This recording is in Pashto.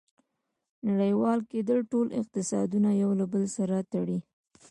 • نړیوال کېدل ټول اقتصادونه یو له بل سره تړي.